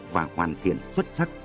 và hoàn thiện xuất sắc